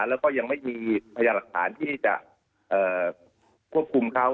แล้วก็ยังไม่มีพยาหลักฐานที่จะควบคุมเขา